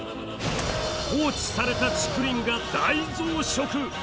放置された竹林が大増殖！